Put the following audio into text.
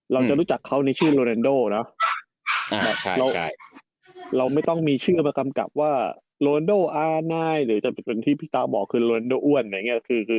เราจะรู้จักเขาในชื่อโรเรนโดเนาะ